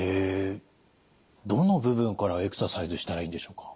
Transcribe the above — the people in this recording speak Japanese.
どの部分からエクササイズしたらいいんでしょうか。